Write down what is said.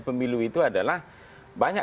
pemilu itu adalah banyak